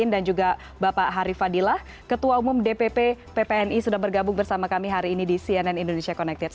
dan juga bapak harif fadilah ketua umum dpp ppni sudah bergabung bersama kami hari ini di cnn indonesia connected